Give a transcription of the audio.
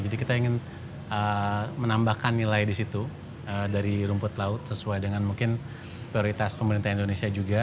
jadi kita ingin menambahkan nilai di situ dari rumput laut sesuai dengan mungkin prioritas pemerintah indonesia juga